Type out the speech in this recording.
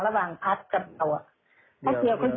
ระหว่างพระอาจบอก